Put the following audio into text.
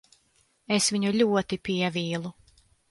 Es viņu ļoti pievīlu.